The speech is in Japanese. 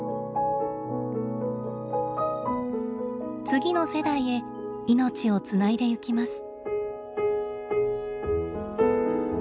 次の世代へ命をつないでいきます。